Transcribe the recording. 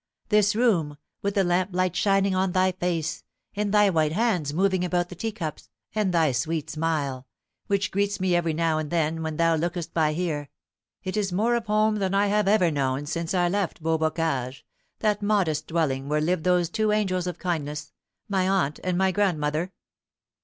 This room, with the lamplight shining on thy face, and thy white hands moving about the teacups, and thy sweet smile, which greets me every now and then when thou lookest by here, it is more of home than I have ever known since I left Beaubocage, that modest dwelling where lived those two angels of kindness, my aunt and my grandmother."